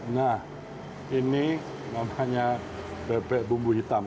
nah ini namanya bebek bumbu hitam